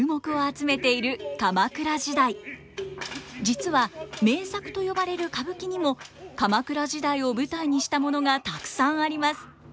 実は名作と呼ばれる歌舞伎にも鎌倉時代を舞台にしたものがたくさんあります。